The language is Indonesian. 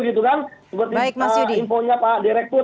seperti informnya pak direktur